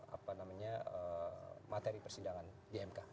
apa namanya materi persidangan di mk